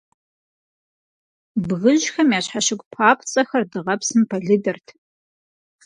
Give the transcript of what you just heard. Бгыжьхэм я щхьэщыгу папцӀэхэр дыгъэпсым пэлыдырт.